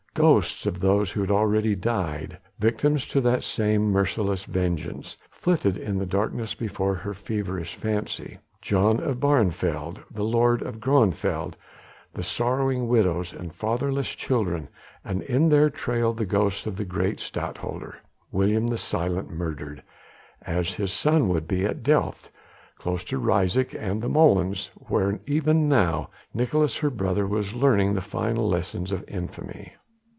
Ghosts of those who had already died victims to that same merciless vengeance flitted in the darkness before her feverish fancy: John of Barneveld, the Lord of Groeneveld, the sorrowing widows and fatherless children ... and in their trail the ghost of the great Stadtholder, William the Silent murdered as his son would be at Delft, close to Ryswyk and the molens, where even now Nicolaes her brother was learning the final lesson of infamy.